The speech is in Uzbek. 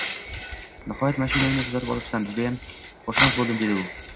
— Nihoyat mashinangni tuzatib olibsan, judayam xursand bo‘ldim, — dedi u.